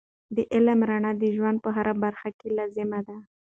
د علم رڼا د ژوند په هره برخه کې لازم دی.